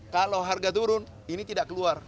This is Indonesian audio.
kalau harga turun ini tidak keluar